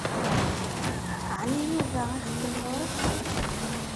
Ɛni Yuba ixeddem ɣur-k?